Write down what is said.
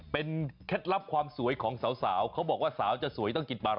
เป็นเคล็ดลับความสวยของสาวเขาบอกว่าสาวจะสวยต้องกินบาร